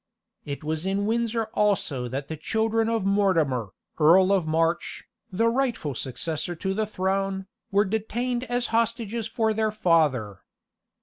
It was in Windsor also that the children of Mortimer, Earl of March, the rightful successor to the throne, were detained as hostages for their father.